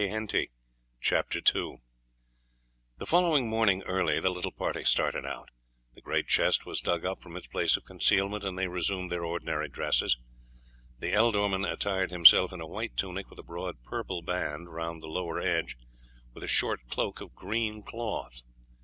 CHAPTER II: THE BATTLE OF KESTEVEN The following morning early the little party started. The great chest was dug up from its place of concealment, and they resumed their ordinary dresses. The ealdorman attired himself in a white tunic with a broad purple band round the lower edge, with a short cloak of green cloth.